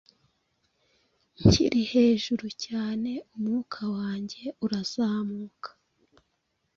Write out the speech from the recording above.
nkiri hejuru cyane umwuka wanjye urazamuka;